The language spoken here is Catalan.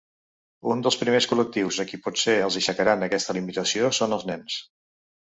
Un dels primers col·lectius a qui potser els aixecaran aquesta limitació són els nens.